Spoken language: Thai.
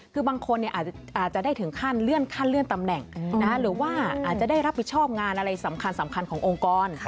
คือบางคนอาจจะได้ถึงขั้นเลื่อนขั้นเลื่อนตำแหน่งหรือว่าอาจจะได้รับผิดชอบงานอะไรสำคัญขององค์กร